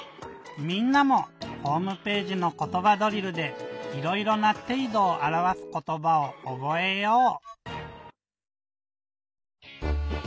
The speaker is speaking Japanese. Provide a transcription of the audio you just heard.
みんなもホームページの「ことばドリル」でいろいろな「ていどをあらわすことば」をおぼえよう！